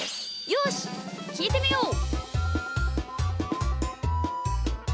よしきいてみよう！